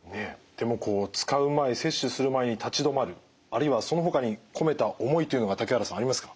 でもこう使う前摂取する前に立ち止まるあるいはそのほかに込めた思いというのが竹原さんありますか？